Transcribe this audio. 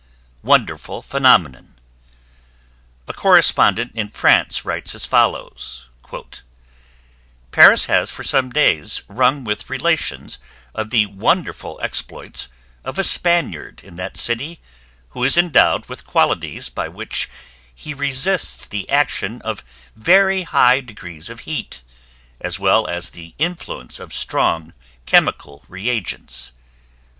WONDERFUL PHENOMENON A correspondent in France writes as follows: "Paris has, for some days, rung with relations of the wonderful exploits of a Spaniard in that city, who is endowed with qualities by which he resists the action of very high degrees of heat, as well as the influence of strong chemical reagents.